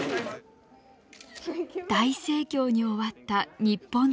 大盛況に終わった日本ツアー。